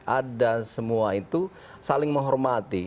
ada semua itu saling menghormati